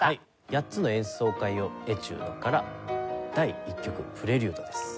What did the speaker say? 『８つの演奏会用エチュード』から第１曲「プレリュード」です。